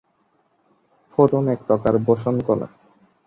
Photon একপ্রকার boson কণা।